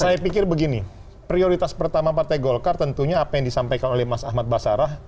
saya pikir begini prioritas pertama partai golkar tentunya apa yang disampaikan oleh mas ahmad basarah